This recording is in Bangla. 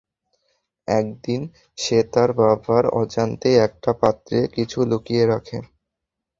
একদিন সে তার বাবার অজান্তেই একটা পাত্রে কিছু লুকিয়ে রাখে।